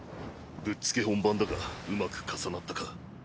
ぶっつけ本番だがうまく重なったか。